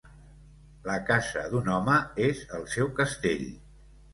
La casa d'un home és el seu castell.